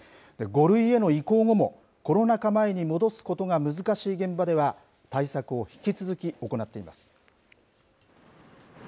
５類への移行後も、コロナ禍前に戻すことが難しい現場では、対策を引き続き行っています。